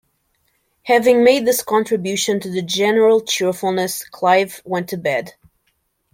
Having made this contribution to the general cheerfulness, Clive went to bed.